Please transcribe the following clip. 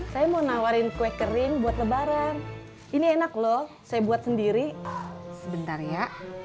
saya mau nawarin kue kering buat lebaran ini enak loh saya buat sendiri sebentar ya